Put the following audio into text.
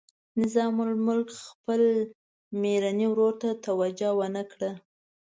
نظام الملک خپل میرني ورور ته توجه ونه کړه.